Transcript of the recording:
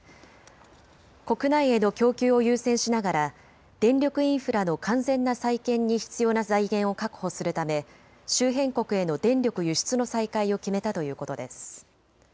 国内への供給を優先しながら電力インフラの完全な再建に必要な財源を確保するため周辺国への電力輸出の再開を決めたということです。